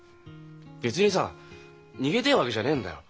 別にさ逃げてえわけじゃねえんだよ。